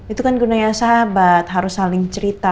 itu kan gunanya sahabat harus saling cerita